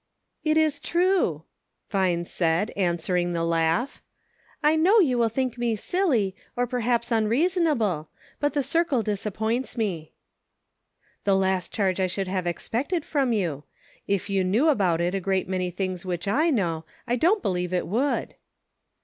" It is true," Vine said, answering the laugh, " I know you will think me silly ; or perhaps unreason able, but the circle disappoints me." " The last charge I should have expected from you ; if you knew about it a great many things which I know, I do not believe it would."